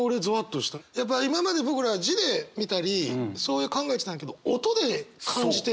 やっぱ今まで僕ら字で見たり考えてたんだけど音で感じてるんだ？